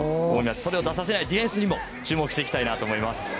それを出させないディフェンスにも注目していきたいと思います。